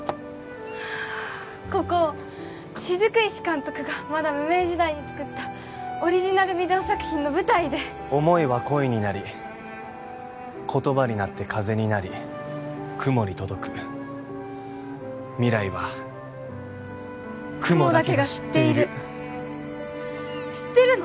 ここ雫石監督がまだ無名時代に作ったオリジナルビデオ作品の舞台で想いは声になり言葉になって風になり雲に届く未来は雲だけが知っている知ってるの？